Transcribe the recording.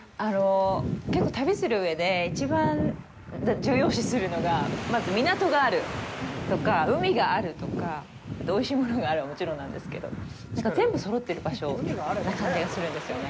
結構、旅する上で一番重要視するのがまず港があるとか、海があるとか、あとおいしいものがあるはもちろんなんですけど全部そろってる場所な感じがするんですよね。